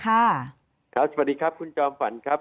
สวัสดีครับคุณจอมฝันครับ